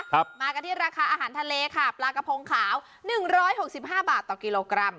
ครับมากันที่ราคาอาหารทะเลค่ะปลากระพงขาวหนึ่งร้อยหกสิบห้าบาทต่อกิโลกรัม